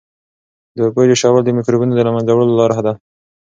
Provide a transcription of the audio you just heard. د اوبو جوشول د مکروبونو د له منځه وړلو لاره ده.